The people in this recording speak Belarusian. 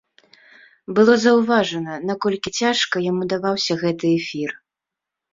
Было заўважна, наколькі цяжка яму даваўся гэты эфір.